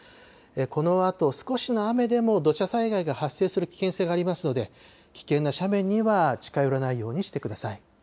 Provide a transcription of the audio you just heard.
このあと、少しの雨でも土砂災害が発生する危険性がありますので、危険な斜面には近寄らないようにしてください。